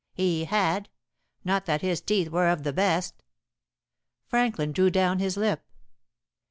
"He had. Not that his teeth were of the best." Franklin drew down his lip.